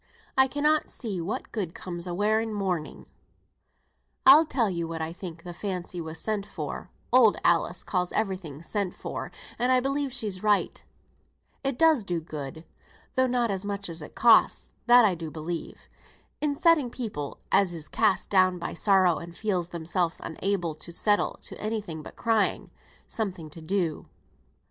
I cannot see what good comes out o' wearing mourning." [Footnote 8: "Shut," quit.] "I'll tell you what I think th' fancy was sent for (Old Alice calls every thing 'sent for,' and I believe she's right). It does do good, though not as much as it costs, that I do believe, in setting people (as is cast down by sorrow and feels themselves unable to settle to any thing but crying) something to do.